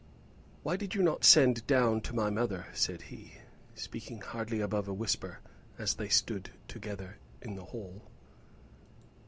"Why did you not send down to my mother?" said he, speaking hardly above a whisper, as they stood together in the hall.